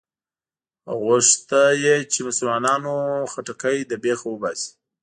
غوښته یې چې مسلمانانو خټکی له بېخه وباسي.